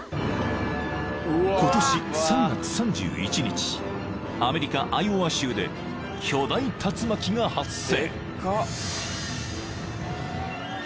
［今年３月３１日アメリカアイオワ州で巨大竜巻が発生］